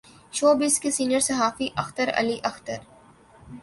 شو business کے senior صحافی اختر علی اختر